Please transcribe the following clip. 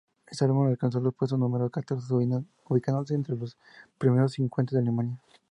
Este álbum alcanzó el puesto número catorce ubicándose entre los primeros cincuenta de Alemania.